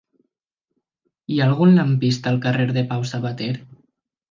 Hi ha algun lampista al carrer de Pau Sabater?